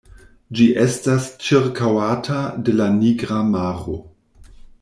Ĝi estas ĉirkaŭata de la Nigra maro.